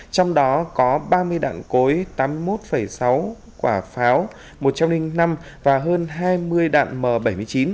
trong đó có ba mươi đạn cối tám mươi một sáu quả pháo một trăm linh năm và hơn hai mươi đạn m bảy mươi chín